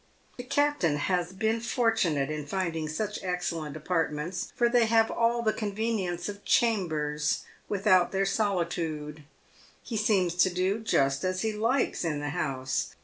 The captain has been fortunate in finding such excellent apartments, for they have all the convenience of chambers, without their solitude. He seems to do just as he likes in the house.